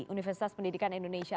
universitas pendidikan indonesia